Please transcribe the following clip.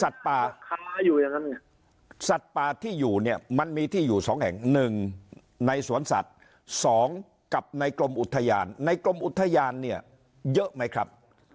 สัตว์ป่าที่อยู่เนี่ยมันมีที่อยู่สองแห่ง๑ในสวนสัตว์๒กับในกรมอุทยานในกรมอุทยานเนี่ยเยอะไหมครับ